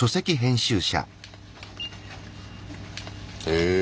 へえ。